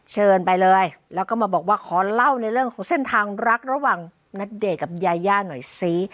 เชิญไปเลยแล้วก็มาบอกว่าขอเล่าในเรื่องของเส้นทางรักระหว่างณเดชน์กับยาย่าหน่อยซิ